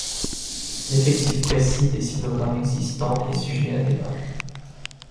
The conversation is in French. L’effectif précis des sinogrammes existants est sujet à débat.